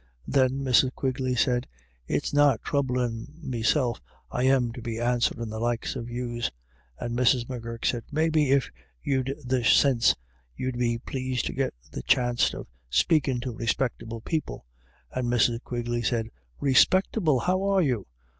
Then Mrs. Quigley said :" It's not throublin' me self I am to be answerin' the likes of yous." And Mrs. M'Gurk said: "Maybe if you'd the sinse, you'd be plased to git the chanst of spakin' to respectable people." And Mrs. Quigley said: " Respectable how are you